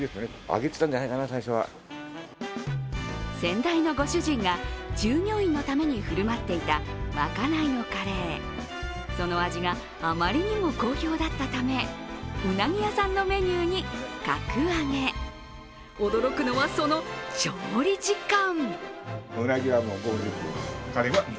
先代のご主人が従業員のために振る舞っていた、まかないのカレーその味があまりにも好評だったたれ、うなぎ屋さんのメニュー格上げ驚くのは、その調理時間。